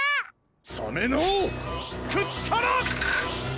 サメのくちから！